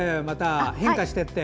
変化していって。